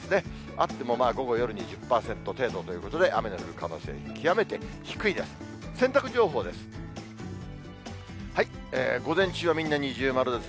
あっても午後、夜に２０％程度ということで、雨の降る可能性、極めて低いです。